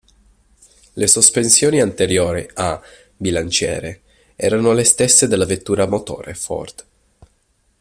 Le sospensioni anteriori a "Bilanciere" erano le stesse della vettura a motore Ford.